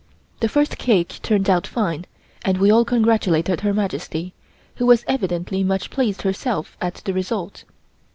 The first cake turned out fine and we all congratulated Her Majesty, who was evidently much pleased herself at the result.